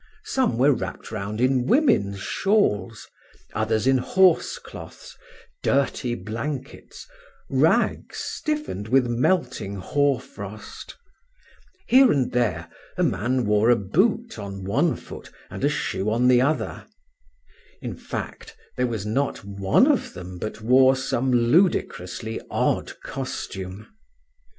Some were wrapped round in women's shawls, others in horse cloths, dirty blankets, rags stiffened with melting hoar frost; here and there a man wore a boot on one foot and a shoe on the other, in fact, there was not one of them but wore some ludicrously odd costume.